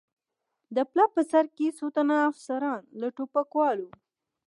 د پله په سر کې څو تنه افسران، له ټوپکوالو.